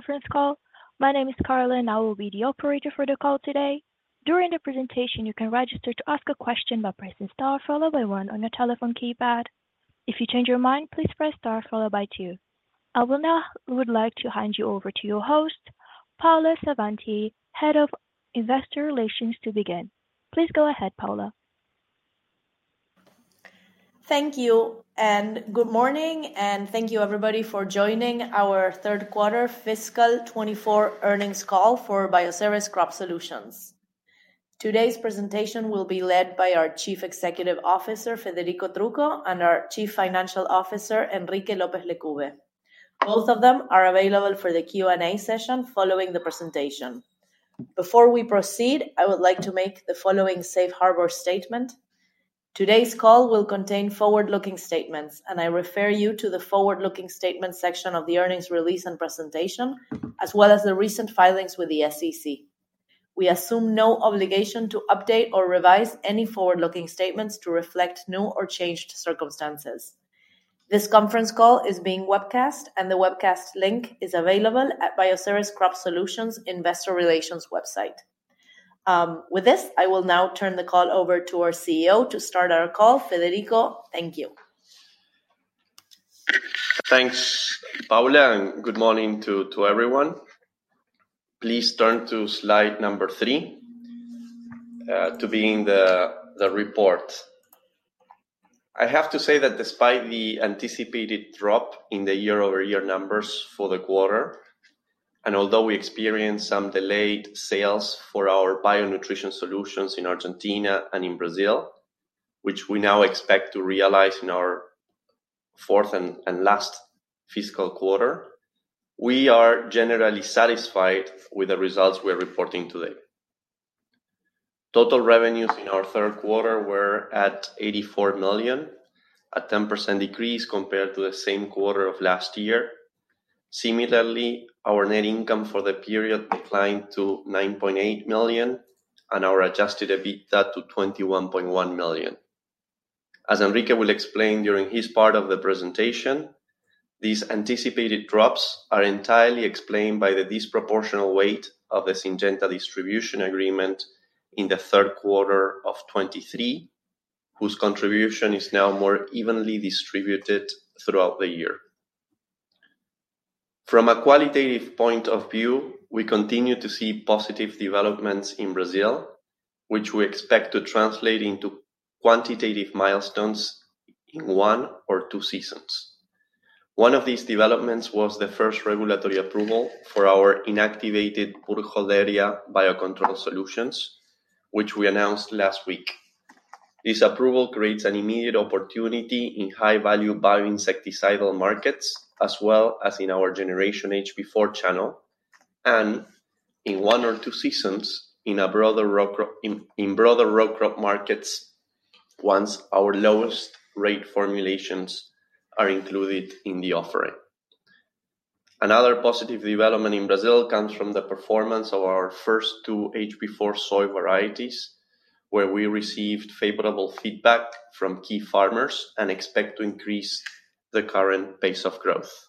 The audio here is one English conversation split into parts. Conference call. My name is Carolyn. I will be the operator for the call today. During the presentation, you can register to ask a question by pressing star followed by one on your telephone keypad. If you change your mind, please press star followed by two. I would now like to hand you over to your host, Paula Savanti, Head of Investor Relations, to begin. Please go ahead, Paula. Thank you, and good morning, and thank you everybody for joining our third quarter fiscal 2024 earnings call for Bioceres Crop Solutions. Today's presentation will be led by our Chief Executive Officer, Federico Trucco, and our Chief Financial Officer, Enrique López Lecube. Both of them are available for the Q&A session following the presentation. Before we proceed, I would like to make the following Safe Harbor Statement: today's call will contain forward-looking statements, and I refer you to the forward-looking statements section of the earnings release and presentation, as well as the recent filings with the SEC. We assume no obligation to update or revise any forward-looking statements to reflect new or changed circumstances. This conference call is being webcast, and the webcast link is available at Bioceres Crop Solutions investor relations website. With this, I will now turn the call over to our CEO to start our call. Federico, thank you. Thanks, Paula, and good morning to everyone. Please turn to slide number three to begin the report. I have to say that despite the anticipated drop in the year-over-year numbers for the quarter, and although we experienced some delayed sales for our bio nutrition solutions in Argentina and in Brazil, which we now expect to realize in our fourth and last fiscal quarter, we are generally satisfied with the results we are reporting today. Total revenues in our third quarter were at $84 million, a 10% decrease compared to the same quarter of last year. Similarly, our net income for the period declined to $9.8 million, and our adjusted EBITDA to $21.1 million. As Enrique will explain during his part of the presentation, these anticipated drops are entirely explained by the disproportionate weight of the Syngenta distribution agreement in the third quarter of 2023, whose contribution is now more evenly distributed throughout the year. From a qualitative point of view, we continue to see positive developments in Brazil, which we expect to translate into quantitative milestones in one or two seasons. One of these developments was the first regulatory approval for our inactivated Burkholderia biocontrol solutions, which we announced last week. This approval creates an immediate opportunity in high-value bioinsecticidal markets, as well as in our Generation HB4 channel, and, in one or two seasons, in a broader row crop in broader row crop markets once our lowest rate formulations are included in the offering. Another positive development in Brazil comes from the performance of our first two HB4 soy varieties, where we received favorable feedback from key farmers and expect to increase the current pace of growth.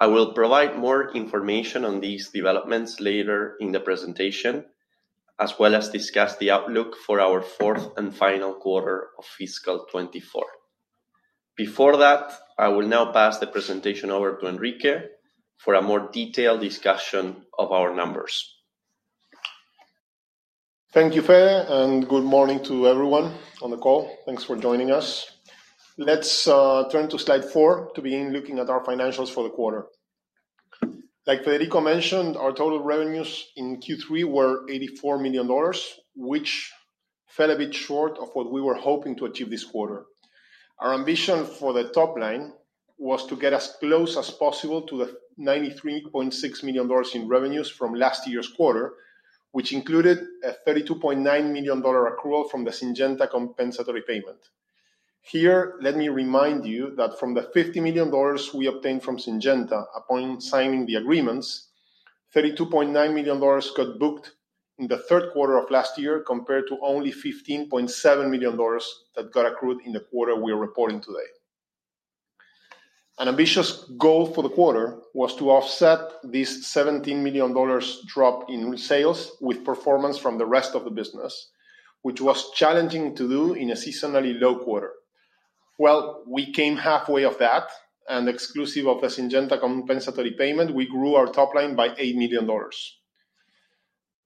I will provide more information on these developments later in the presentation, as well as discuss the outlook for our fourth and final quarter of fiscal 2024. Before that, I will now pass the presentation over to Enrique for a more detailed discussion of our numbers. Thank you, Fede, and good morning to everyone on the call. Thanks for joining us. Let's turn to slide four to begin looking at our financials for the quarter. Like Federico mentioned, our total revenues in Q3 were $84 million, which fell a bit short of what we were hoping to achieve this quarter. Our ambition for the top line was to get as close as possible to the $93.6 million in revenues from last year's quarter, which included a $32.9 million accrual from the Syngenta compensatory payment. Here, let me remind you that from the $50 million we obtained from Syngenta upon signing the agreements, $32.9 million got booked in the third quarter of last year compared to only $15.7 million that got accrued in the quarter we are reporting today. An ambitious goal for the quarter was to offset this $17 million drop in sales with performance from the rest of the business, which was challenging to do in a seasonally low quarter. Well, we came halfway of that, and exclusive of the Syngenta compensatory payment, we grew our top line by $8 million.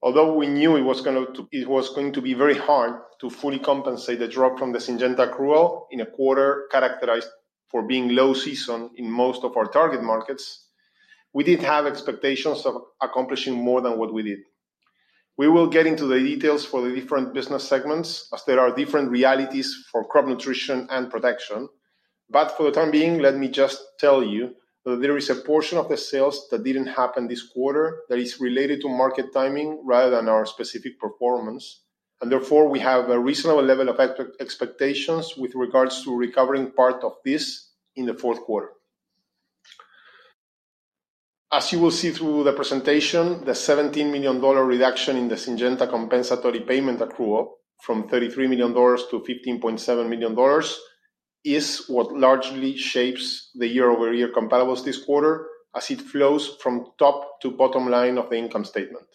Although we knew it was gonna to it was going to be very hard to fully compensate the drop from the Syngenta accrual in a quarter characterized for being low season in most of our target markets, we did have expectations of accomplishing more than what we did. We will get into the details for the different business segments as there are different realities for crop nutrition and protection, but for the time being, let me just tell you that there is a portion of the sales that didn't happen this quarter that is related to market timing rather than our specific performance, and therefore we have a reasonable level of expectations with regards to recovering part of this in the fourth quarter. As you will see through the presentation, the $17 million reduction in the Syngenta compensatory payment accrual from $33 million-$15.7 million is what largely shapes the year-over-year comparables this quarter as it flows from top to bottom line of the income statement.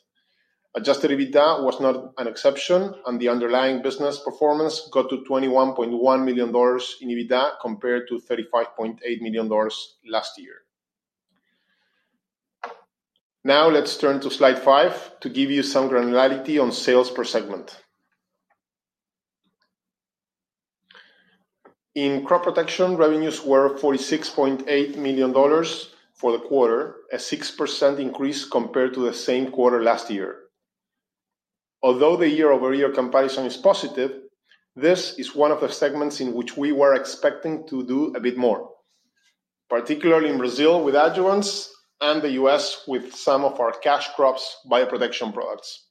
Adjusted EBITDA was not an exception, and the underlying business performance got to $21.1 million in EBITDA compared to $35.8 million last year. Now let's turn to slide five to give you some granularity on sales per segment. In crop protection, revenues were $46.8 million for the quarter, a 6% increase compared to the same quarter last year. Although the year-over-year comparison is positive, this is one of the segments in which we were expecting to do a bit more, particularly in Brazil with adjuvants and the U.S. with some of our cash crops bioprotection products.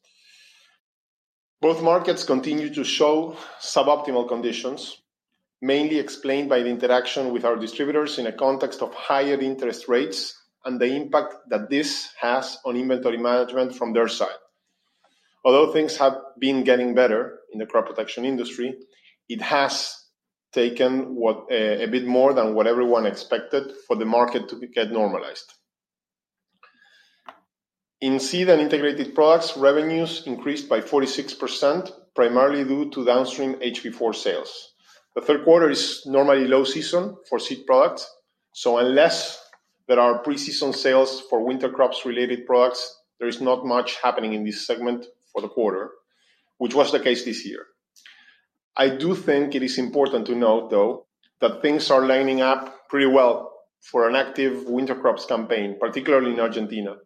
Both markets continue to show suboptimal conditions, mainly explained by the interaction with our distributors in a context of higher interest rates and the impact that this has on inventory management from their side. Although things have been getting better in the crop protection industry, it has taken what, a bit more than what everyone expected for the market to get normalized. In seed and integrated products, revenues increased by 46% primarily due to downstream HB4 sales. The third quarter is normally low season for seed products, so unless there are pre-season sales for winter crops-related products, there is not much happening in this segment for the quarter, which was the case this year. I do think it is important to note, though, that things are lining up pretty well for an active winter crops campaign, particularly in Argentina.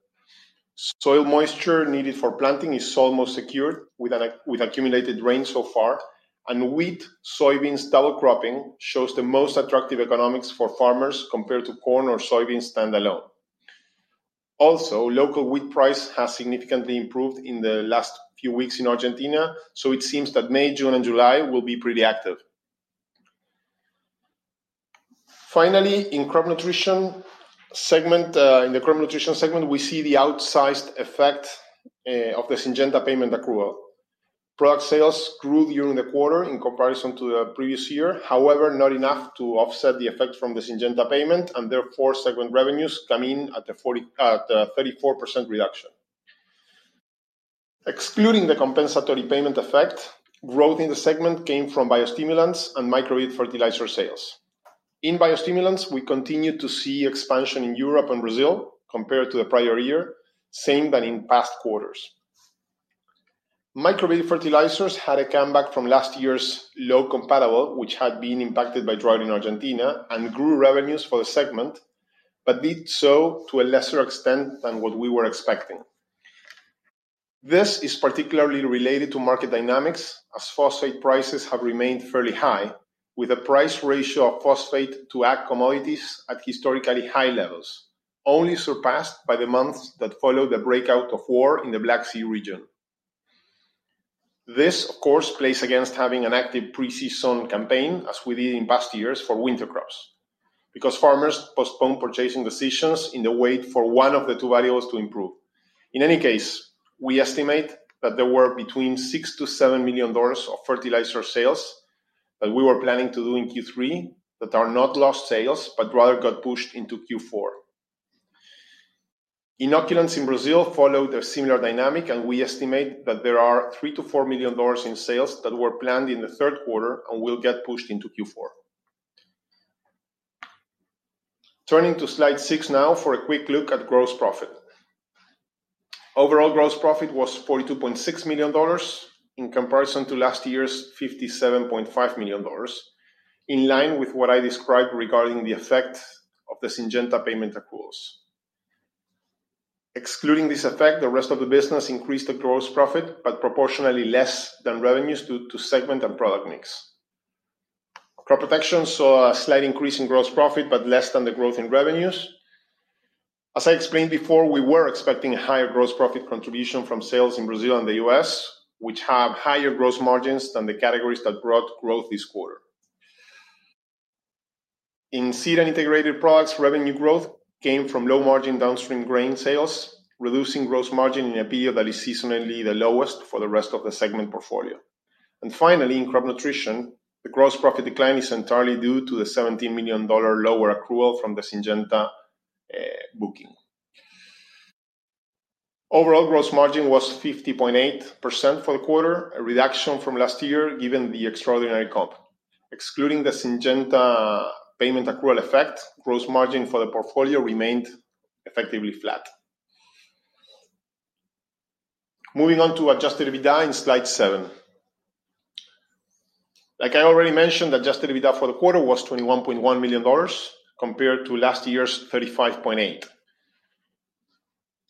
Soil moisture needed for planting is almost secured with accumulated rain so far, and wheat, soybeans double cropping shows the most attractive economics for farmers compared to corn or soybeans standalone. Also, local wheat price has significantly improved in the last few weeks in Argentina, so it seems that May, June, and July will be pretty active. Finally, in crop nutrition segment, in the crop nutrition segment, we see the outsized effect of the Syngenta payment accrual. Product sales grew during the quarter in comparison to the previous year, however, not enough to offset the effect from the Syngenta payment, and therefore segment revenues come in at the 40 at the 34% reduction. Excluding the compensatory payment effect, growth in the segment came from biostimulants and microbial fertilizer sales. In biostimulants, we continue to see expansion in Europe and Brazil compared to the prior year, same than in past quarters. Microbial fertilizers had a comeback from last year's low comparable, which had been impacted by drought in Argentina, and grew revenues for the segment, but did so to a lesser extent than what we were expecting. This is particularly related to market dynamics as phosphate prices have remained fairly high, with a price ratio of phosphate to ag commodities at historically high levels, only surpassed by the months that followed the breakout of war in the Black Sea region. This, of course, plays against having an active pre-season campaign as we did in past years for winter crops because farmers postpone purchasing decisions in the wait for one of the two variables to improve. In any case, we estimate that there were between $6 million-$7 million of fertilizer sales that we were planning to do in Q3 that are not lost sales but rather got pushed into Q4. Inoculants in Brazil followed a similar dynamic, and we estimate that there are $3 million-$4 million in sales that were planned in the third quarter and will get pushed into Q4. Turning to slide six now for a quick look at Gross Profit. Overall Gross Profit was $42.6 million in comparison to last year's $57.5 million, in line with what I described regarding the effect of the Syngenta payment accruals. Excluding this effect, the rest of the business increased the Gross Profit but proportionally less than revenues due to segment and product mix. Crop protection saw a slight increase in Gross Profit but less than the growth in revenues. As I explained before, we were expecting higher Gross Profit contribution from sales in Brazil and the U.S., which have higher Gross Margins than the categories that brought growth this quarter. In seed and integrated products, revenue growth came from low-margin downstream grain sales, reducing Gross Margin in a period that is seasonally the lowest for the rest of the segment portfolio. Finally, in crop nutrition, the gross profit decline is entirely due to the $17 million lower accrual from the Syngenta booking. Overall gross margin was 50.8% for the quarter, a reduction from last year given the extraordinary comp. Excluding the Syngenta payment accrual effect, gross margin for the portfolio remained effectively flat. Moving on to Adjusted EBITDA in slide seven. Like I already mentioned, Adjusted EBITDA for the quarter was $21.1 million compared to last year's $35.8 million.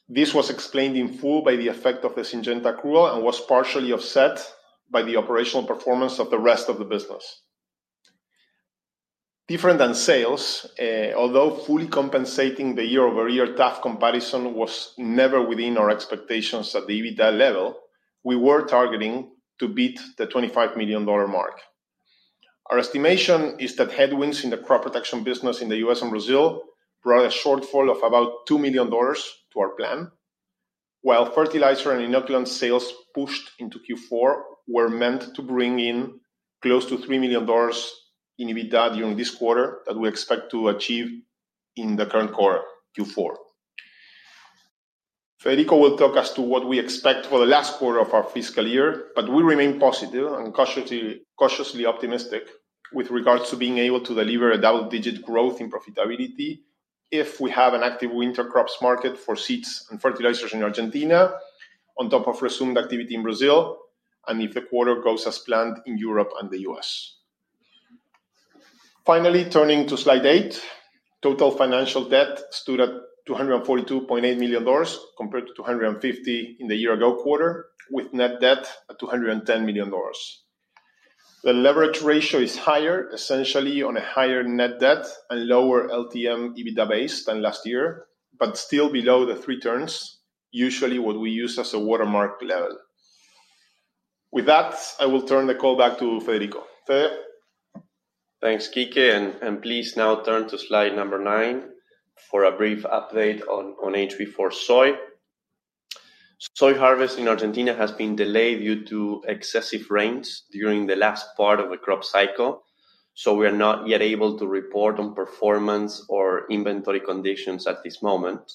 This was explained in full by the effect of the Syngenta accrual and was partially offset by the operational performance of the rest of the business. Different than sales, although fully compensating the year-over-year tough comparison was never within our expectations at the EBITDA level, we were targeting to beat the $25 million mark. Our estimation is that headwinds in the crop protection business in the U.S. and Brazil brought a shortfall of about $2 million to our plan, while fertilizer and inoculant sales pushed into Q4 were meant to bring in close to $3 million in EBITDA during this quarter that we expect to achieve in the current quarter, Q4. Federico will talk as to what we expect for the last quarter of our fiscal year, but we remain positive and cautiously, cautiously optimistic with regards to being able to deliver a double-digit growth in profitability if we have an active winter crops market for seeds and fertilizers in Argentina on top of resumed activity in Brazil and if the quarter goes as planned in Europe and the U.S. Finally, turning to slide 8, total financial debt stood at $242.8 million compared to $250 million in the year-ago quarter, with net debt at $210 million. The leverage ratio is higher, essentially on a higher net debt and lower LTM EBITDA base than last year, but still below the three turns, usually what we use as a watermark level. With that, I will turn the call back to Federico. Fede? Thanks, Kike. And please now turn to slide number nine for a brief update on HB4 soy. Soy harvest in Argentina has been delayed due to excessive rains during the last part of the crop cycle, so we are not yet able to report on performance or inventory conditions at this moment.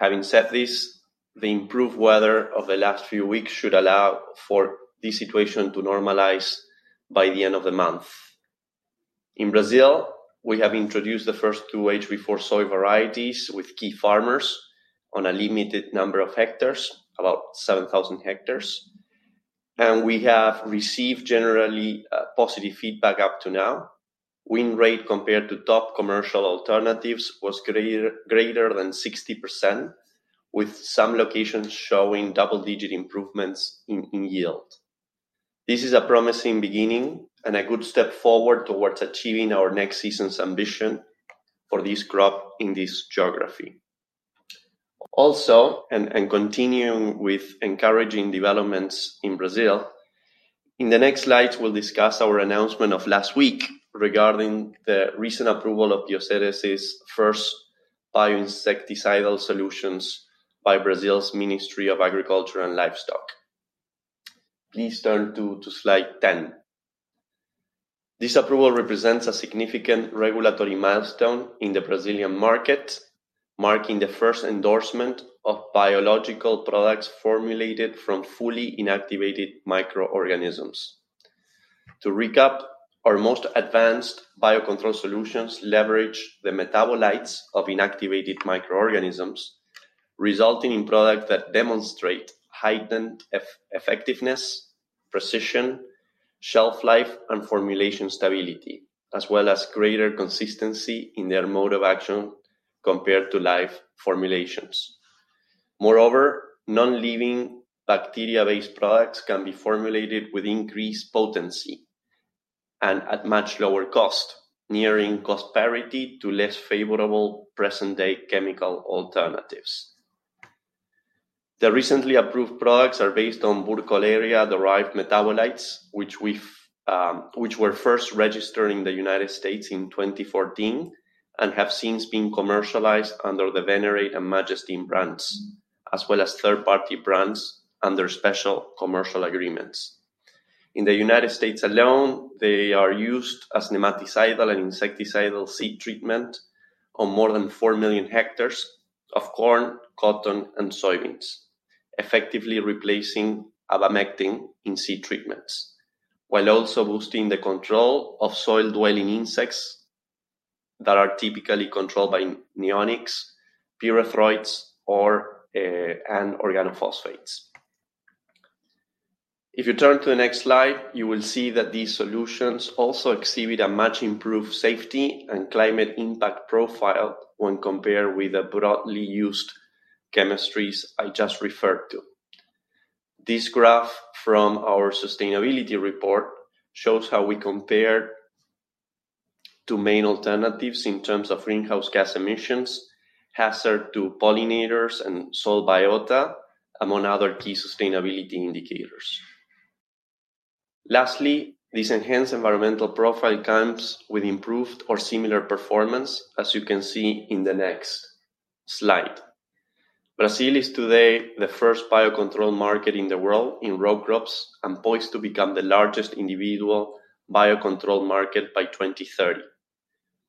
Having said this, the improved weather of the last few weeks should allow for this situation to normalize by the end of the month. In Brazil, we have introduced the first two HB4 soy varieties with key farmers on a limited number of hectares, about 7,000 hectares, and we have received generally positive feedback up to now. Win rate compared to top commercial alternatives was greater than 60%, with some locations showing double-digit improvements in yield. This is a promising beginning and a good step forward towards achieving our next season's ambition for this crop in this geography. Also, continuing with encouraging developments in Brazil, in the next slides we'll discuss our announcement of last week regarding the recent approval of Bioceres' first bioinsecticidal solutions by Brazil's Ministry of Agriculture and Livestock. Please turn to slide 10. This approval represents a significant regulatory milestone in the Brazilian market, marking the first endorsement of biological products formulated from fully inactivated microorganisms. To recap, our most advanced biocontrol solutions leverage the metabolites of inactivated microorganisms, resulting in products that demonstrate heightened effectiveness, precision, shelf life, and formulation stability, as well as greater consistency in their mode of action compared to live formulations. Moreover, non-living bacteria-based products can be formulated with increased potency and at much lower cost, nearing cost parity to less favorable present-day chemical alternatives. The recently approved products are based on Burkholderia-derived metabolites, which were first registered in the United States in 2014 and have since been commercialized under the Venerate and Majestene brands, as well as third-party brands under special commercial agreements. In the United States alone, they are used as nematicidal and insecticidal seed treatment on more than 4 million hectares of corn, cotton, and soybeans, effectively replacing abamectin in seed treatments, while also boosting the control of soil-dwelling insects that are typically controlled by neonics, pyrethroids, or and organophosphates. If you turn to the next slide, you will see that these solutions also exhibit a much improved safety and climate impact profile when compared with the broadly used chemistries I just referred to. This graph from our sustainability report shows how we compare to main alternatives in terms of greenhouse gas emissions, hazard to pollinators, and soil biota, among other key sustainability indicators. Lastly, this enhanced environmental profile comes with improved or similar performance, as you can see in the next slide. Brazil is today the first biocontrol market in the world in row crops and poised to become the largest individual biocontrol market by 2030.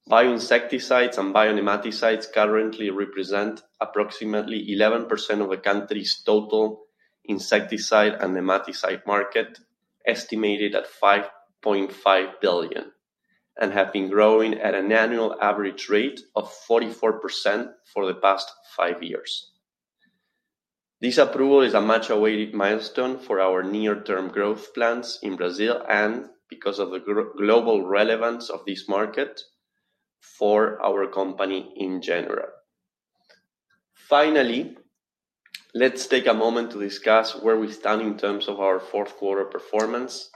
Bioinsecticides and bionematicides currently represent approximately 11% of the country's total insecticide and nematicide market, estimated at $5.5 billion, and have been growing at an annual average rate of 44% for the past five years. This approval is a much-awaited milestone for our near-term growth plans in Brazil and, because of the global relevance of this market, for our company in general. Finally, let's take a moment to discuss where we stand in terms of our fourth quarter performance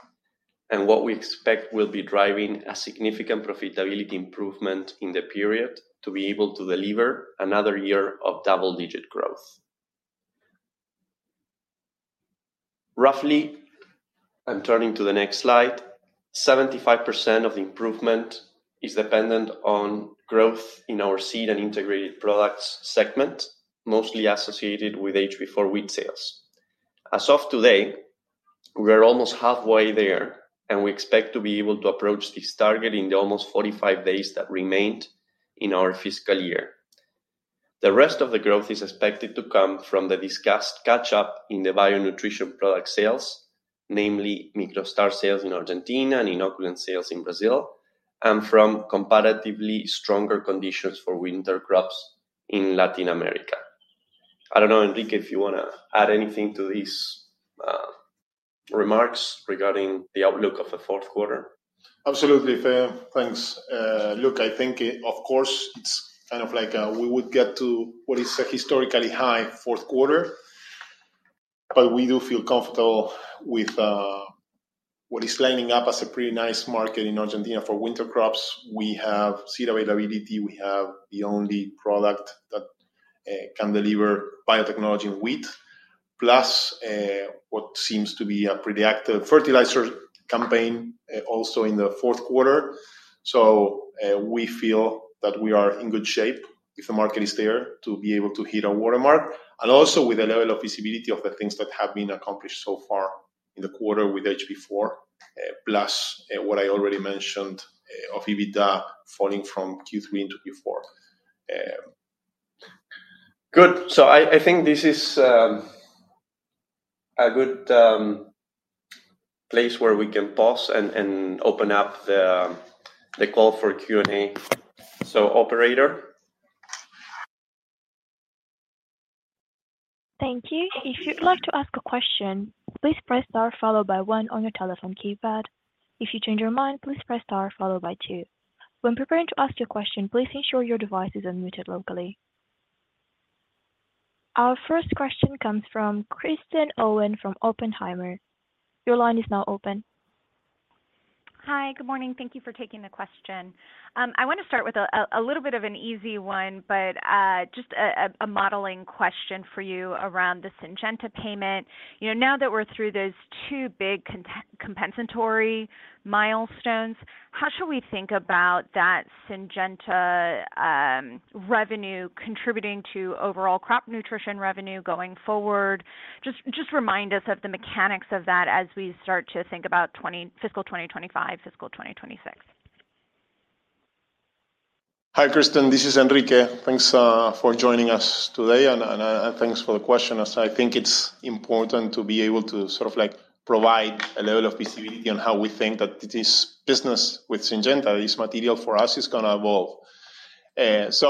and what we expect will be driving a significant profitability improvement in the period to be able to deliver another year of double-digit growth. Roughly, I'm turning to the next slide, 75% of the improvement is dependent on growth in our seed and integrated products segment, mostly associated with HB4 wheat sales. As of today, we are almost halfway there, and we expect to be able to approach this target in the almost 45 days that remain in our fiscal year. The rest of the growth is expected to come from the discussed catch-up in the bio-nutrition product sales, namely MicroStar sales in Argentina and inoculant sales in Brazil, and from comparatively stronger conditions for winter crops in Latin America. I don't know, Enrique, if you wanna add anything to these remarks regarding the outlook of the fourth quarter. Absolutely, Fede. Thanks. Look, I think it, of course, it's kind of like, we would get to what is a historically high fourth quarter, but we do feel comfortable with what is lining up as a pretty nice market in Argentina for winter crops. We have seed availability. We have the only product that can deliver biotechnology in wheat, plus what seems to be a pretty active fertilizer campaign, also in the fourth quarter. So, we feel that we are in good shape if the market is there to be able to hit our watermark, and also with the level of feasibility of the things that have been accomplished so far in the quarter with HB4, plus what I already mentioned, of EBITDA falling from Q3 into Q4. Good. So I think this is a good place where we can pause and open up the call for Q&A. So, operator? Thank you. If you'd like to ask a question, please press star followed by one on your telephone keypad. If you change your mind, please press star followed by two. When preparing to ask your question, please ensure your device is unmuted locally. Our first question comes from Kristen Owen from Oppenheimer. Your line is now open. Hi. Good morning. Thank you for taking the question. I wanna start with a little bit of an easy one, but just a modeling question for you around the Syngenta payment. You know, now that we're through those two big compensatory milestones, how should we think about that Syngenta revenue contributing to overall crop nutrition revenue going forward? Just remind us of the mechanics of that as we start to think about fiscal 2025, fiscal 2026. Hi, Kristen. This is Enrique. Thanks for joining us today. Thanks for the question. As I think it's important to be able to sort of, like, provide a level of feasibility on how we think that it is business with Syngenta, this material for us is gonna evolve. So,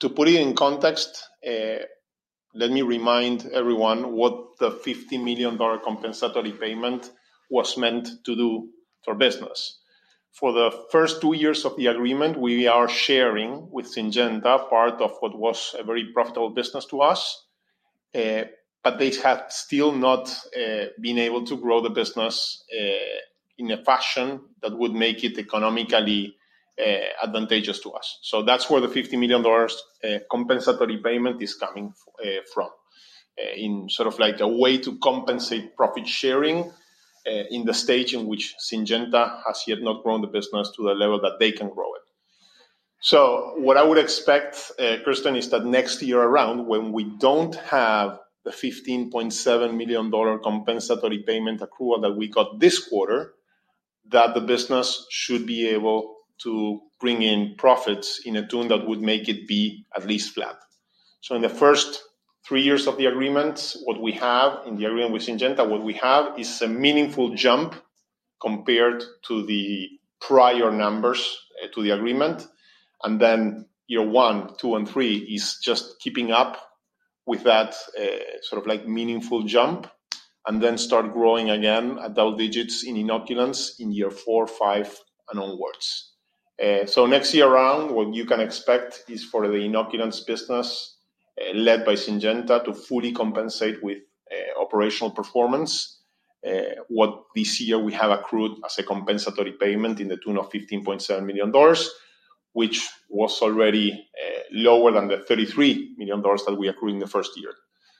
to put it in context, let me remind everyone what the $50 million compensatory payment was meant to do for business. For the first two years of the agreement, we are sharing with Syngenta part of what was a very profitable business to us, but they have still not been able to grow the business in a fashion that would make it economically advantageous to us. So that's where the $50 million compensatory payment is coming from, in sort of like a way to compensate profit sharing, in the stage in which Syngenta has yet not grown the business to the level that they can grow it. So what I would expect, Kristen, is that next year around, when we don't have the $15.7 million compensatory payment accrual that we got this quarter, that the business should be able to bring in profits in tune that would make it be at least flat. So in the first three years of the agreement, what we have in the agreement with Syngenta, what we have is a meaningful jump compared to the prior numbers, to the agreement. And then year one, two, and three is just keeping up with that, sort of, like, meaningful jump and then start growing again at double digits in inoculants in year four, five, and onwards. So next year around, what you can expect is for the inoculants business, led by Syngenta, to fully compensate with operational performance what this year we have accrued as a compensatory payment in the tune of $15.7 million, which was already lower than the $33 million that we accrued in the first year.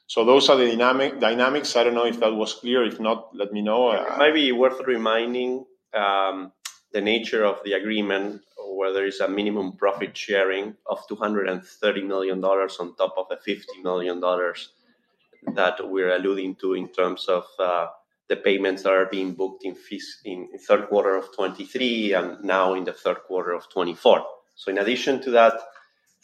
So those are the dynamic dynamics. I don't know if that was clear. If not, let me know. It's maybe worth reminding, the nature of the agreement, whether it's a minimum profit sharing of $230 million on top of the $50 million that we're alluding to in terms of, the payments that are being booked in, in third quarter of 2023 and now in the third quarter of 2024. So in addition to that,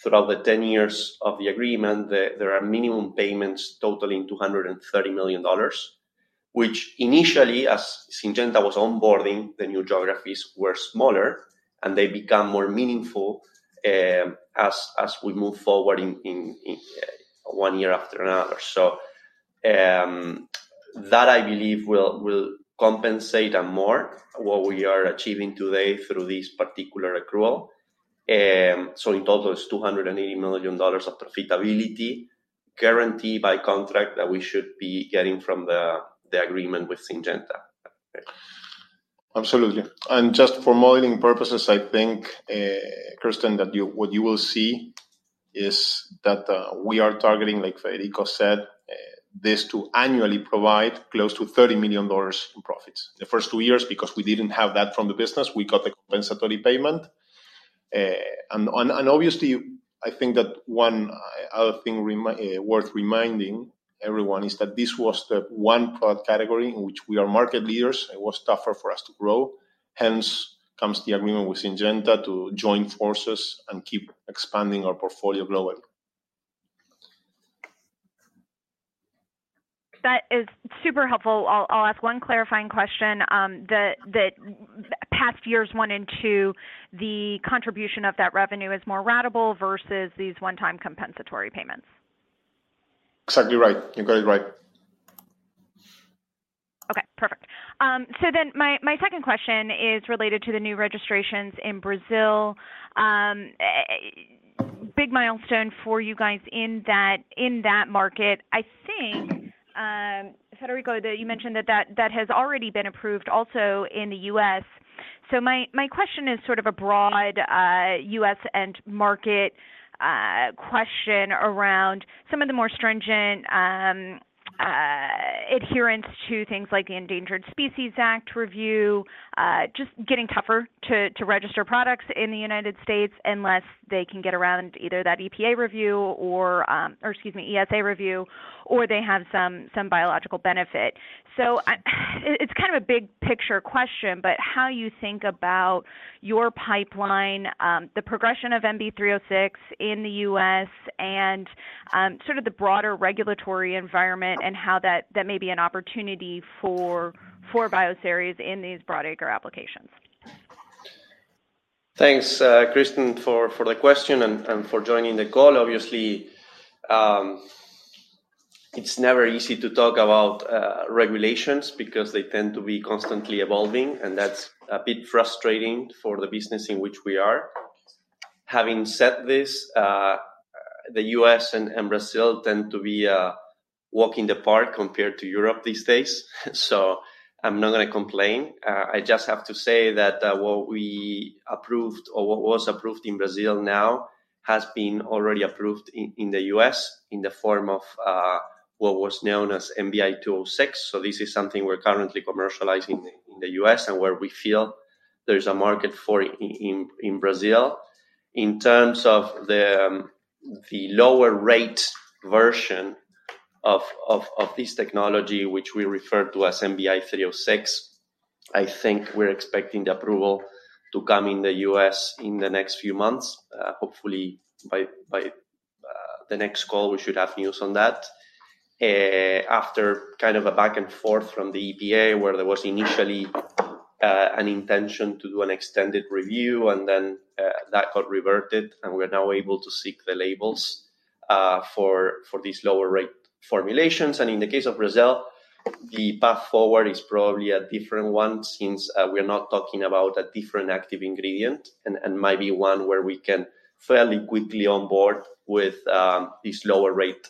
throughout the 10 years of the agreement, there are minimum payments totaling $230 million, which initially, as Syngenta was onboarding the new geographies, were smaller, and they become more meaningful, as we move forward in, in one year after another. So, that I believe will compensate and more what we are achieving today through this particular accrual. So in total, it's $280 million of profitability guaranteed by contract that we should be getting from the agreement with Syngenta. Okay. Absolutely. And just for modeling purposes, I think, Kristen, that what you will see is that, we are targeting, like Federico said, this to annually provide close to $30 million in profits. The first two years, because we didn't have that from the business, we got the compensatory payment. And obviously, I think that one other thing worth reminding everyone is that this was the one product category in which we are market leaders. It was tougher for us to grow. Hence comes the agreement with Syngenta to join forces and keep expanding our portfolio globally. That is super helpful. I'll ask one clarifying question. The past years one and two, the contribution of that revenue is more ratable versus these one-time compensatory payments. Exactly right. You got it right. Okay. Perfect. So then my second question is related to the new registrations in Brazil. Big milestone for you guys in that market. I think, Federico, that you mentioned that that has already been approved also in the U.S. So my question is sort of a broad U.S. end-market question around some of the more stringent adherence to things like the Endangered Species Act review, just getting tougher to register products in the United States unless they can get around either that EPA review or, excuse me, ESA review, or they have some biological benefit. So it's kind of a big picture question, but how you think about your pipeline, the progression of MBI-306 in the U.S., and sort of the broader regulatory environment and how that may be an opportunity for Bioceres in these broad-acre applications. Thanks, Kristen, for the question and for joining the call. Obviously, it's never easy to talk about regulations because they tend to be constantly evolving, and that's a bit frustrating for the business in which we are. Having said this, the U.S. and Brazil tend to be walking in the park compared to Europe these days. So I'm not gonna complain. I just have to say that what we approved or what was approved in Brazil now has been already approved in the U.S. in the form of what was known as MBI-206. So this is something we're currently commercializing in the U.S. and where we feel there's a market for in Brazil. In terms of the lower-rate version of this technology, which we refer to as MBI-306, I think we're expecting the approval to come in the U.S. in the next few months. Hopefully, by the next call, we should have news on that. After kind of a back-and-forth from the EPA where there was initially an intention to do an extended review, and then that got reverted, and we're now able to seek the labels for these lower-rate formulations. And in the case of Brazil, the path forward is probably a different one since we're not talking about a different active ingredient and might be one where we can fairly quickly onboard with this lower-rate,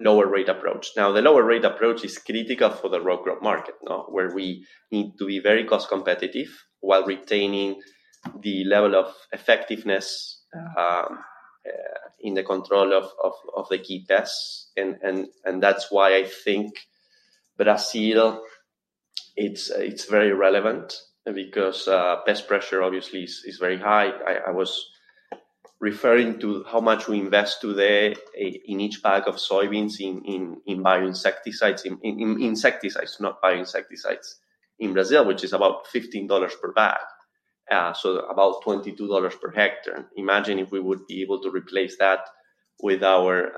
lower-rate approach. Now, the lower-rate approach is critical for the row crop market, no? Where we need to be very cost-competitive while retaining the level of effectiveness in the control of the key pests. And that's why I think Brazil, it's very relevant because pest pressure obviously is very high. I was referring to how much we invest today in each bag of soybeans in insecticides, not bioinsecticides, in Brazil, which is about $15 per bag, so about $22 per hectare. Imagine if we would be able to replace that with our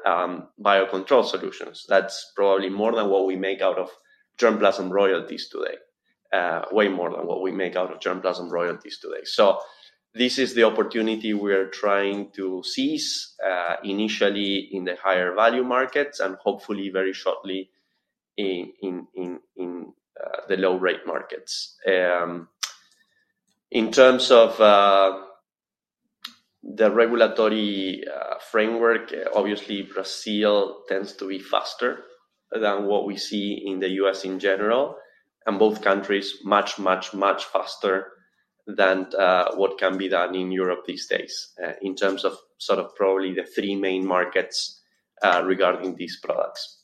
biocontrol solutions. That's probably more than what we make out of germplasm royalties today, way more than what we make out of germplasm royalties today. So this is the opportunity we are trying to seize, initially in the higher-value markets and hopefully very shortly in the low-rate markets. In terms of the regulatory framework, obviously, Brazil tends to be faster than what we see in the U.S. in general, and both countries much, much, much faster than what can be done in Europe these days, in terms of sort of probably the three main markets, regarding these products.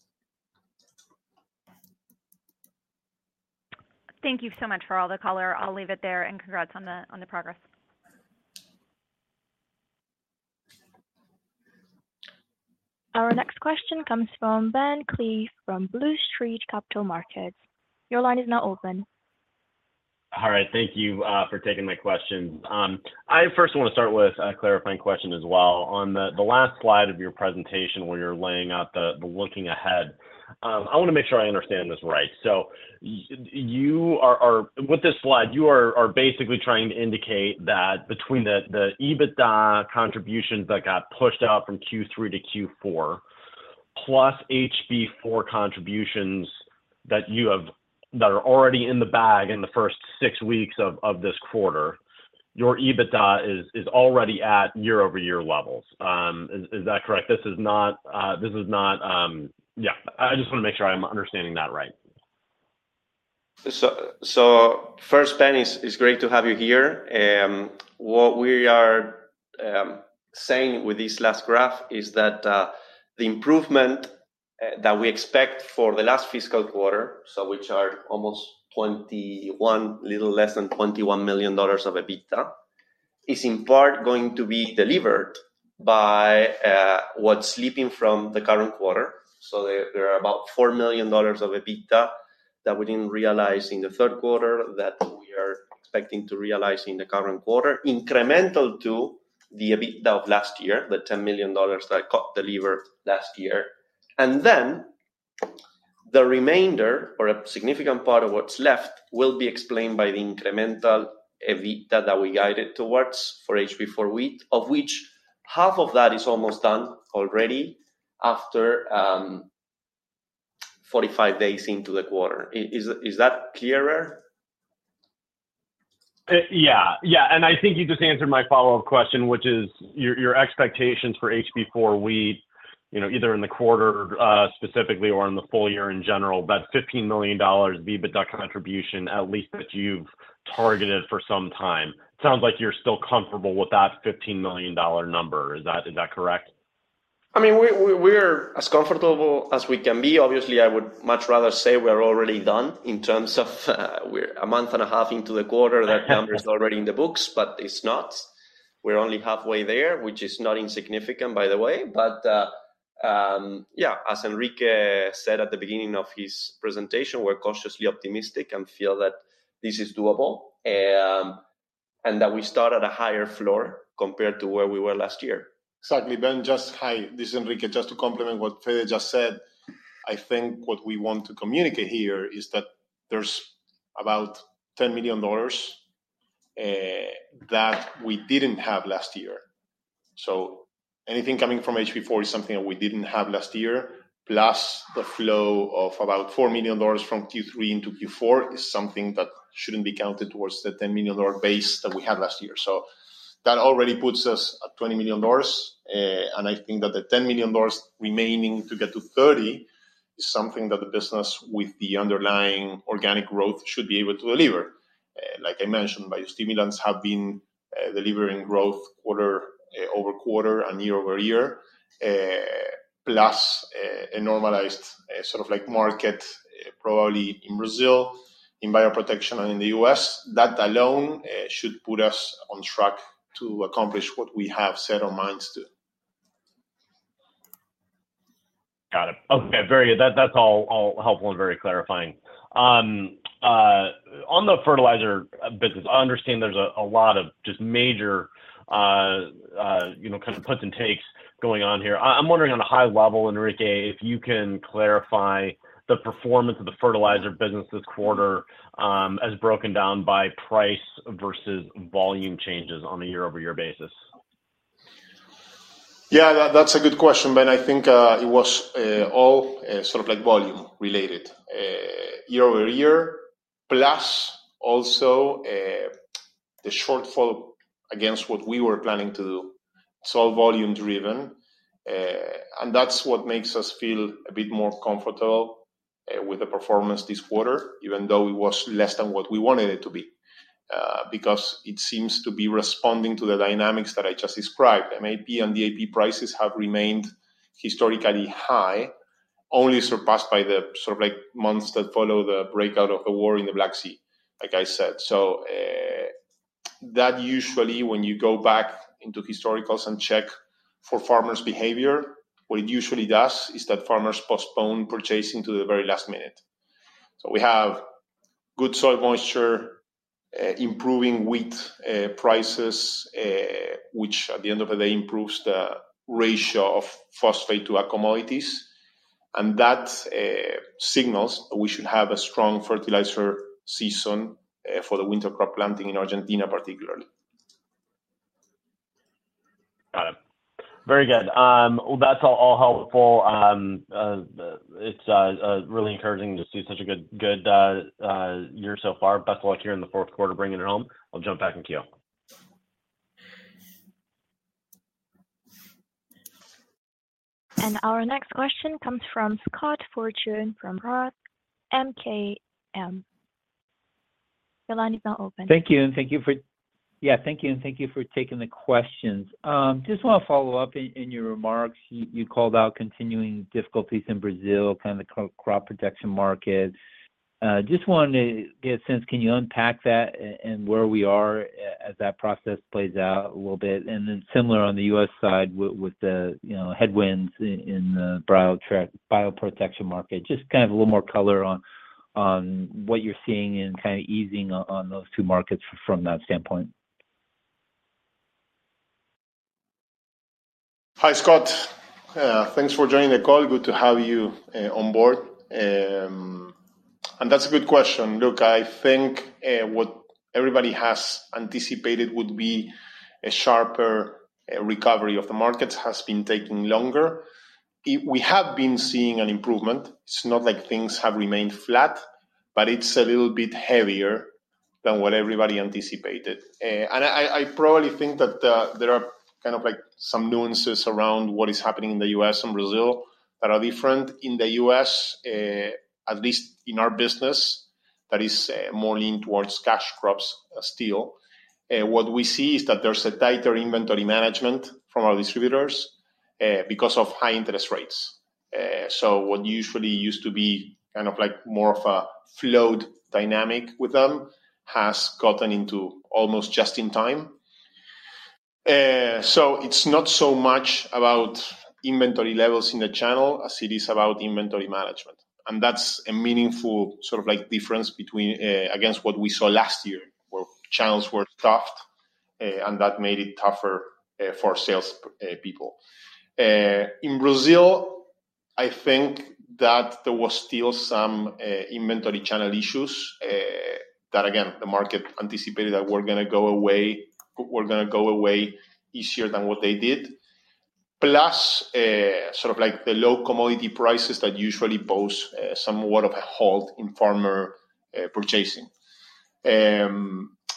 Thank you so much for all the color. I'll leave it there, and congrats on the progress. Our next question comes from Ben Klieve from Lake Street Capital Markets. Your line is now open. All right. Thank you for taking my questions. I first wanna start with a clarifying question as well. On the last slide of your presentation where you're laying out the looking ahead, I wanna make sure I understand this right. So you are with this slide, you are basically trying to indicate that between the EBITDA contributions that got pushed out from Q3 to Q4 plus HB4 contributions that you have that are already in the bag in the first six weeks of this quarter, your EBITDA is already at year-over-year levels. Is that correct? This is not, yeah. I just wanna make sure I'm understanding that right. So first, Ben, it's great to have you here. What we are saying with this last graph is that the improvement that we expect for the last fiscal quarter, which is almost a little less than $21 million of EBITDA, is in part going to be delivered by what's slipping from the current quarter. So there are about $4 million of EBITDA that we didn't realize in the third quarter that we are expecting to realize in the current quarter, incremental to the EBITDA of last year, the $10 million that was delivered last year. And then the remainder or a significant part of what's left will be explained by the incremental EBITDA that we guided towards for HB4 wheat, of which half of that is almost done already after 45 days into the quarter. Is that clearer? Yeah. Yeah. And I think you just answered my follow-up question, which is your, your expectations for HB4 wheat, you know, either in the quarter, specifically, or in the full year in general, that $15 million EBITDA contribution at least that you've targeted for some time. Sounds like you're still comfortable with that $15 million number. Is that is that correct? I mean, we are as comfortable as we can be. Obviously, I would much rather say we are already done in terms of, we're a month and a half into the quarter. That number is already in the books, but it's not. We're only halfway there, which is not insignificant, by the way. But, yeah, as Enrique said at the beginning of his presentation, we're cautiously optimistic and feel that this is doable, and that we start at a higher floor compared to where we were last year. Exactly. Ben, hi, this is Enrique. Just to complement what Federico just said, I think what we want to communicate here is that there's about $10 million that we didn't have last year. So anything coming from HB4 is something that we didn't have last year, plus the flow of about $4 million from Q3 into Q4 is something that shouldn't be counted towards the $10 million base that we had last year. So that already puts us at $20 million, and I think that the $10 million remaining to get to $30 million is something that the business with the underlying organic growth should be able to deliver. Like I mentioned, biostimulants have been delivering growth quarter-over-quarter and year-over-year, plus a normalized, sort of like market, probably in Brazil, in bioprotection, and in the U.S. That alone, should put us on track to accomplish what we have set our minds to. Got it. Okay. Very, that's all helpful and very clarifying. On the fertilizer business, I understand there's a lot of just major, you know, kind of puts and takes going on here. I'm wondering on a high level, Enrique, if you can clarify the performance of the fertilizer business this quarter, as broken down by price versus volume changes on a year-over-year basis. Yeah. That's a good question, Ben. I think it was all sort of like volume-related, year-over-year, plus also the shortfall against what we were planning to do. It's all volume-driven, and that's what makes us feel a bit more comfortable with the performance this quarter, even though it was less than what we wanted it to be, because it seems to be responding to the dynamics that I just described. MAP and DAP prices have remained historically high, only surpassed by the sort of like months that follow the breakout of the war in the Black Sea, like I said. So, that usually, when you go back into historicals and check for farmers' behavior, what it usually does is that farmers postpone purchasing to the very last minute. We have good soil moisture, improving wheat prices, which at the end of the day improves the ratio of phosphate to our commodities. That signals that we should have a strong fertilizer season for the winter crop planting in Argentina particularly. Got it. Very good. Well, that's all, all helpful. It's really encouraging to see such a good, good year so far. Best luck here in the fourth quarter bringing it home. I'll jump back and key off. Our next question comes from Scott Fortune from Roth MKM. Your line is now open. Thank you. And thank you for taking the questions. Just wanna follow up in your remarks. You called out continuing difficulties in Brazil, kind of the crop protection market. Just wanted to get a sense, can you unpack that and where we are, as that process plays out a little bit? And then similar on the U.S. side with the, you know, headwinds in the bioprotection market, just kind of a little more color on what you're seeing in kind of easing on those two markets from that standpoint. Hi, Scott. Thanks for joining the call. Good to have you on board. That's a good question. Look, I think what everybody has anticipated would be a sharper recovery of the markets has been taking longer. We have been seeing an improvement. It's not like things have remained flat, but it's a little bit heavier than what everybody anticipated. I probably think that there are kind of like some nuances around what is happening in the U.S. and Brazil that are different. In the U.S., at least in our business, that is more leaned towards cash crops still. What we see is that there's a tighter inventory management from our distributors, because of high interest rates. What usually used to be kind of like more of a float dynamic with them has gotten into almost just-in-time. So it's not so much about inventory levels in the channel as it is about inventory management. That's a meaningful sort of like difference between against what we saw last year where channels were stuffed, and that made it tougher for sales people. In Brazil, I think that there was still some inventory channel issues that again the market anticipated that were gonna go away easier than what they did, plus sort of like the low commodity prices that usually pose somewhat of a hold on farmer purchasing.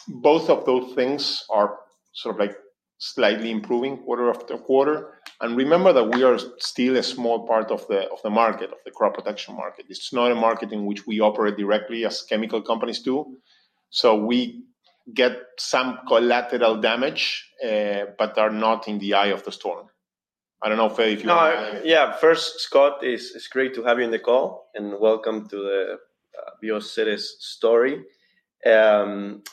Both of those things are sort of like slightly improving quarter after quarter. Remember that we are still a small part of the market of the crop protection market. It's not a market in which we operate directly as chemical companies do. So we get some collateral damage, but are not in the eye of the storm. I don't know, Fede, if you wanna add anything? No. Yeah. First, Scott, it's, it's great to have you on the call, and welcome to the Bioceres story.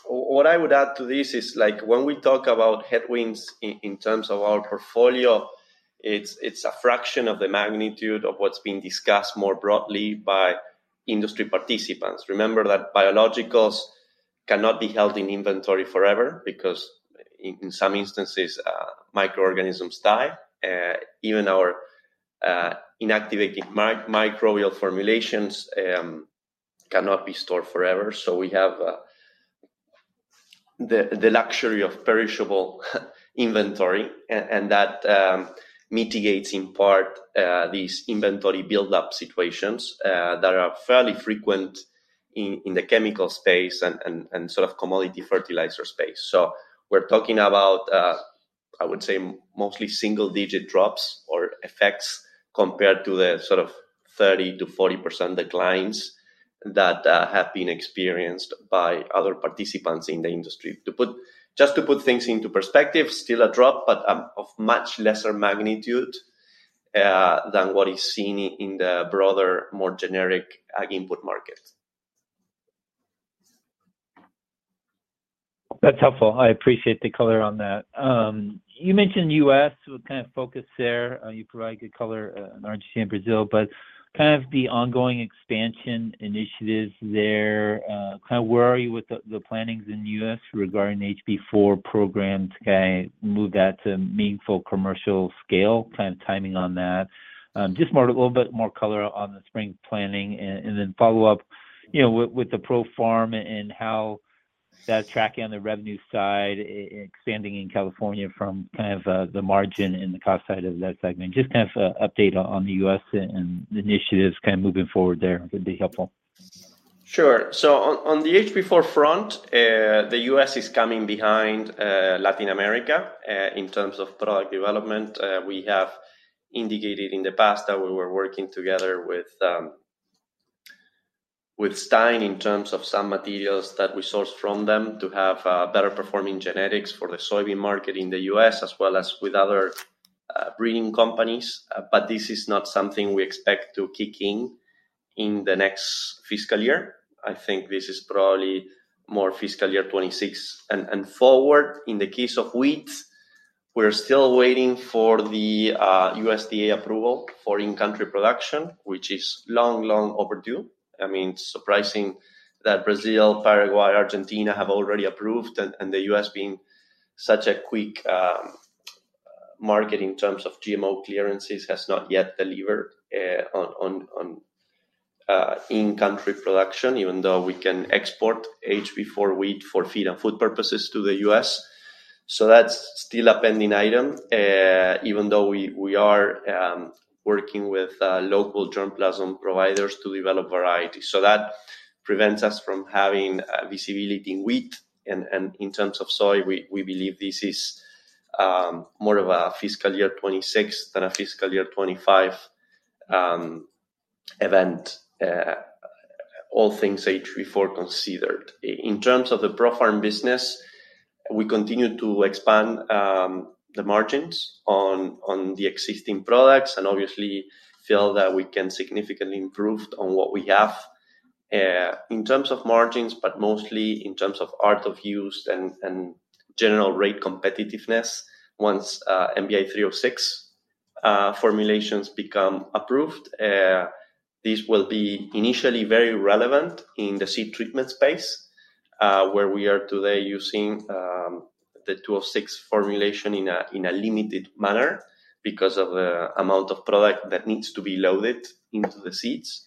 What I would add to this is, like, when we talk about headwinds in terms of our portfolio, it's, it's a fraction of the magnitude of what's being discussed more broadly by industry participants. Remember that biologicals cannot be held in inventory forever because, in some instances, microorganisms die. Even our inactivated microbial formulations cannot be stored forever. So we have the luxury of perishable inventory. And that mitigates in part these inventory buildup situations that are fairly frequent in the chemical space and sort of commodity fertilizer space. So we're talking about, I would say mostly single-digit drops or effects compared to the sort of 30%-40% declines that have been experienced by other participants in the industry. To put things into perspective, still a drop, but of much lesser magnitude than what is seen in the broader, more generic, input market. That's helpful. I appreciate the color on that. You mentioned U.S. with kind of focus there. You provide good color in Argentina and Brazil. But kind of the ongoing expansion initiatives there, kind of where are you with the plannings in the U.S. regarding the HB4 program to kinda move that to meaningful commercial scale, kind of timing on that? Just a little bit more color on the spring planning, and then follow up, you know, with the ProFarm and how that's tracking on the revenue side, expanding in California from kind of the margin and the cost side of that segment. Just kind of an update on the U.S. in the initiatives kinda moving forward there. It'd be helpful. Sure. So on the HB4 front, the U.S. is coming behind Latin America in terms of product development. We have indicated in the past that we were working together with Stine in terms of some materials that we source from them to have better-performing genetics for the soybean market in the U.S. as well as with other breeding companies. But this is not something we expect to kick in in the next fiscal year. I think this is probably more fiscal year 2026 and forward. In the case of wheat, we're still waiting for the USDA approval for in-country production, which is long overdue. I mean, it's surprising that Brazil, Paraguay, Argentina have already approved, and the U.S. being such a quick market in terms of GMO clearances has not yet delivered on in-country production, even though we can export HB4 wheat for feed and food purposes to the US. So that's still a pending item, even though we are working with local germplasm providers to develop varieties. So that prevents us from having visibility in wheat. And in terms of soy, we believe this is more of a fiscal year 2026 than a fiscal year 2025 event, all things HB4 considered. In terms of the ProFarm business, we continue to expand, the margins on the existing products and obviously feel that we can significantly improve on what we have, in terms of margins, but mostly in terms of ease of use and general rate competitiveness. Once MBI-306 formulations become approved, this will be initially very relevant in the seed treatment space, where we are today using the MBI-206 formulation in a limited manner because of the amount of product that needs to be loaded into the seeds.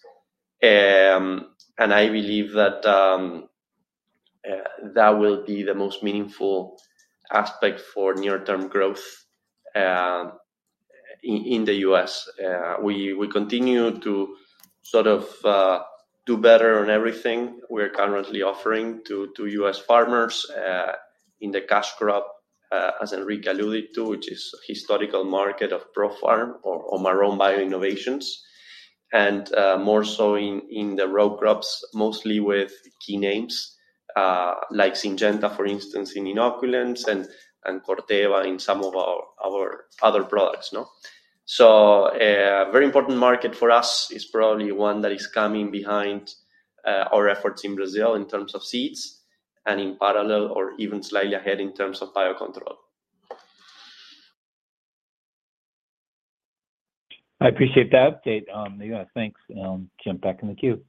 I believe that will be the most meaningful aspect for near-term growth in the U.S. We continue to sort of do better on everything we're currently offering to U.S. farmers in the cash crop, as Enrique alluded to, which is a historical market of ProFarm or Marrone Bio Innovations, and more so in the row crops, mostly with key names like Syngenta, for instance, in inoculants, and Corteva in some of our other products, no? So, a very important market for us is probably one that is coming behind our efforts in Brazil in terms of seeds and in parallel or even slightly ahead in terms of biocontrol. I appreciate that update. Yeah. Thanks. Jump back in the queue.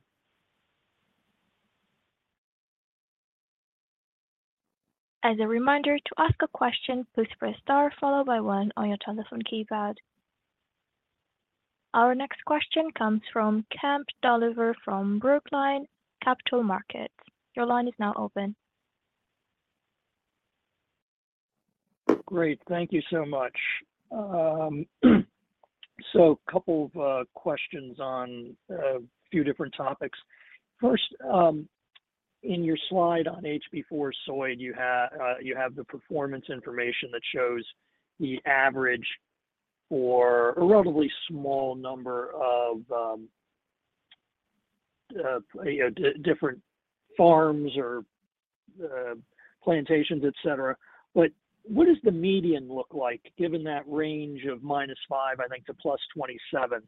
As a reminder, to ask a question, please press star followed by one on your telephone keypad. Our next question comes from Kemp Dolliver from Brookline Capital Markets. Your line is now open. Great. Thank you so much. So a couple of questions on a few different topics. First, in your slide on HB4 soy, you have the performance information that shows the average for a relatively small number of, you know, different farms or plantations, etc. But what does the median look like given that range of -5, I think, to +27?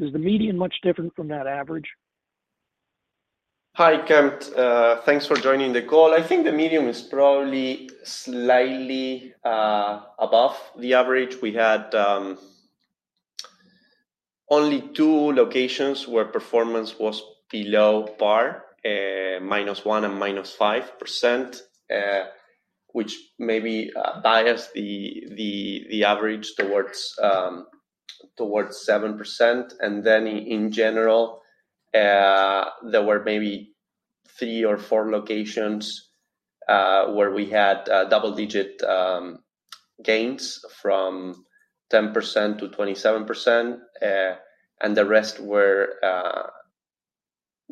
Is the median much different from that average? Hi, Kemp. Thanks for joining the call. I think the median is probably slightly above the average. We had only two locations where performance was below par, -1% and -5%, which maybe biased the average towards 7%. And then in general, there were maybe three or four locations where we had double-digit gains from 10%-27%, and the rest were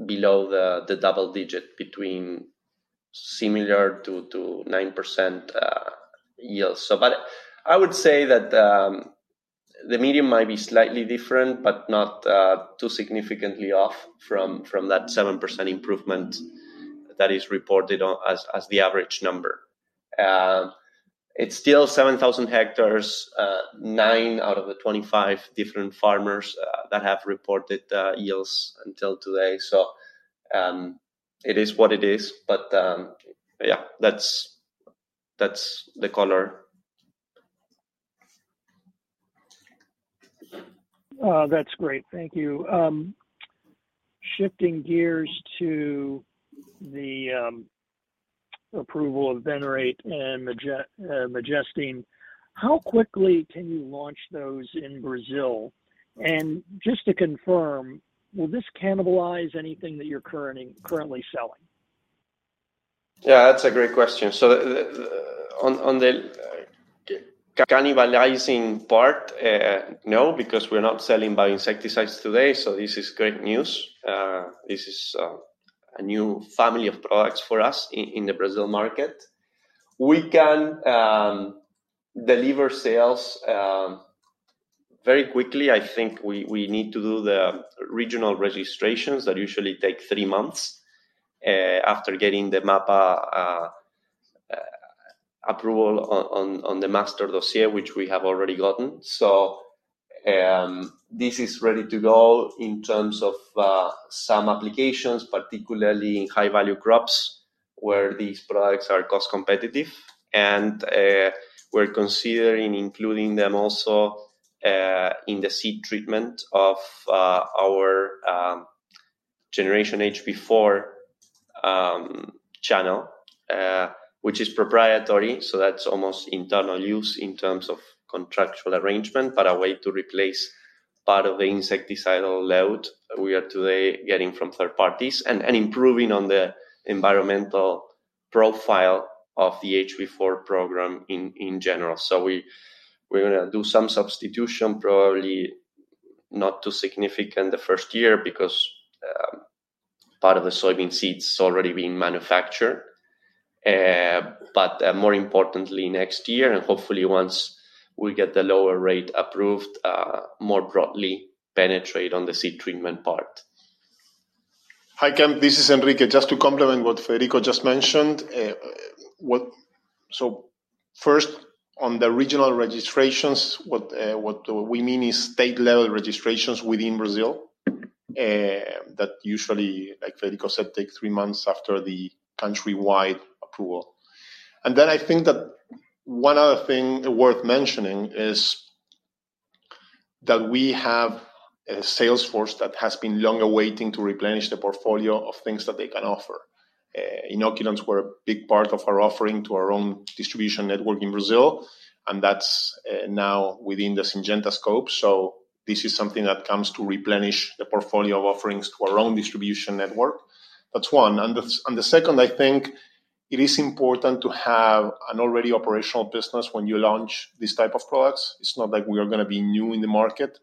below the double digit between similar to 9% yield. But I would say that the median might be slightly different but not too significantly off from that 7% improvement that is reported as the average number. It's still 7,000 hectares, nine out of the 25 different farmers that have reported yields until today. So, it is what it is. But, yeah, that's the color. That's great. Thank you. Shifting gears to the approval of Venerate and Majestene, how quickly can you launch those in Brazil? And just to confirm, will this cannibalize anything that you're currently selling? Yeah. That's a great question. So on the cannibalizing part, no, because we're not selling bioinsecticides today. So this is great news. This is a new family of products for us in the Brazil market. We can deliver sales very quickly. I think we need to do the regional registrations that usually take three months, after getting the MAPA approval on the master dossier, which we have already gotten. So this is ready to go in terms of some applications, particularly in high-value crops where these products are cost-competitive. And we're considering including them also in the seed treatment of our Generation HB4 channel, which is proprietary. So that's almost internal use in terms of contractual arrangement but a way to replace part of the insecticidal load we are today getting from third parties and improving on the environmental profile of the HB4 program in general. So we're gonna do some substitution, probably not too significant the first year because part of the soybean seeds is already being manufactured, but more importantly, next year. And hopefully, once we get the lower rate approved, more broadly penetrate on the seed treatment part. Hi, Kemp. This is Enrique. Just to complement what Federico just mentioned, so first, on the regional registrations, what we mean is state-level registrations within Brazil, that usually, like Federico said, take three months after the countrywide approval. And then I think that one other thing worth mentioning is that we have a salesforce that has been long awaiting to replenish the portfolio of things that they can offer. Inoculants were a big part of our offering to our own distribution network in Brazil, and that's now within the Syngenta scope. So this is something that comes to replenish the portfolio of offerings to our own distribution network. That's one. And the second, I think it is important to have an already operational business when you launch these type of products. It's not like we are gonna be new in the market.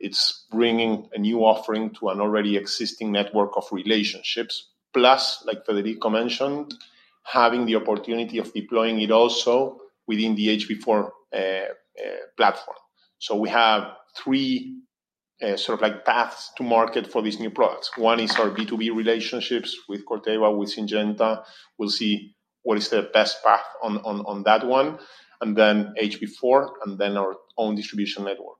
It's bringing a new offering to an already existing network of relationships. Plus, like Federico mentioned, having the opportunity of deploying it also within the HB4 platform. So we have three, sort of like paths to market for these new products. One is our B2B relationships with Corteva, with Syngenta. We'll see what is the best path on that one. And then HB4 and then our own distribution network.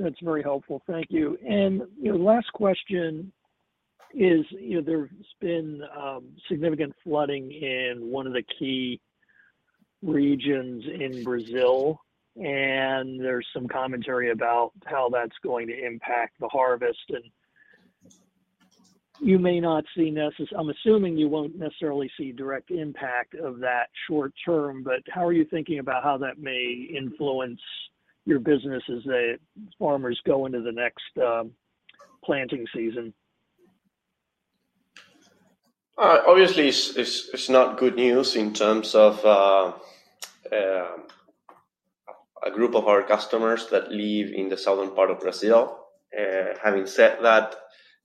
That's very helpful. Thank you. And, you know, last question is, you know, there's been significant flooding in one of the key regions in Brazil, and there's some commentary about how that's going to impact the harvest. I'm assuming you won't necessarily see direct impact of that short term. But how are you thinking about how that may influence your business as the farmers go into the next planting season? Obviously, it's not good news in terms of a group of our customers that live in the southern part of Brazil. Having said that,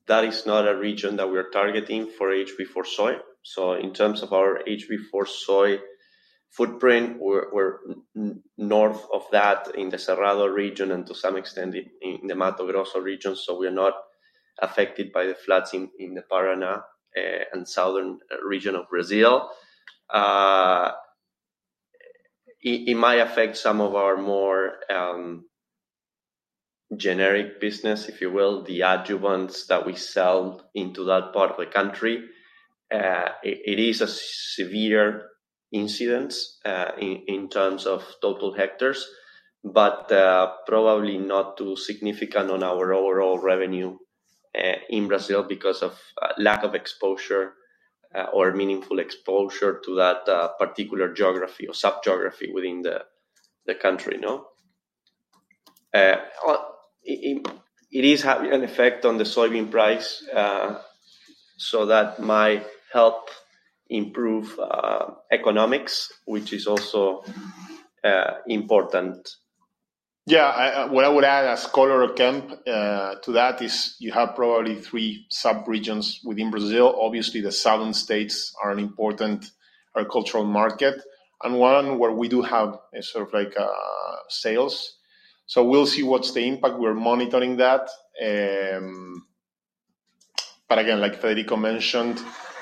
that is not a region that we are targeting for HB4 soy. So in terms of our HB4 soy footprint, we're north of that in the Cerrado region and to some extent in the Mato Grosso region. So we are not affected by the floods in the Paraná and southern region of Brazil. It might affect some of our more generic business, if you will, the adjuvants that we sell into that part of the country. It is a severe incident in terms of total hectares but probably not too significant on our overall revenue in Brazil because of lack of exposure, or meaningful exposure to that particular geography or subgeography within the country, no? It is having an effect on the soybean price, so that might help improve economics, which is also important. Yeah. What I would add as color, Kemp, to that is you have probably three subregions within Brazil. Obviously, the southern states are an important agricultural market and one where we do have a sort of like sales. So we'll see what's the impact. We're monitoring that. But again, like Federico mentioned,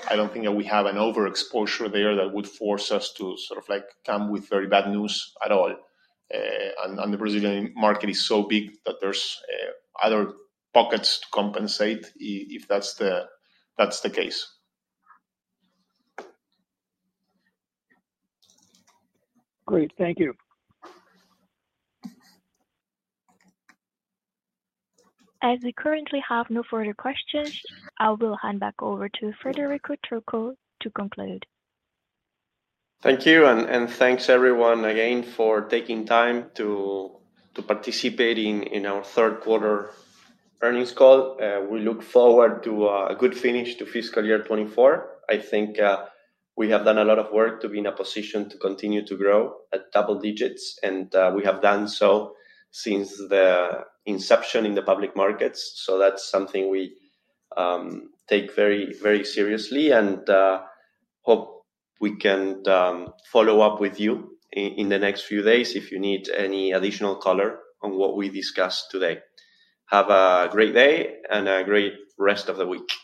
I don't think that we have an overexposure there that would force us to sort of like come with very bad news at all. And the Brazilian market is so big that there's other pockets to compensate if that's the case. Great. Thank you. As we currently have no further questions, I will hand back over to Federico Trucco to conclude. Thank you. And thanks everyone again for taking time to participate in our third-quarter earnings call. We look forward to a good finish to fiscal year 2024. I think we have done a lot of work to be in a position to continue to grow at double digits. And we have done so since the inception in the public markets. So that's something we take very, very seriously and hope we can follow up with you in the next few days if you need any additional color on what we discussed today. Have a great day and a great rest of the week.